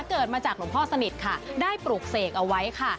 เกิดมาจากหลวงพ่อสนิทค่ะได้ปลูกเสกเอาไว้ค่ะ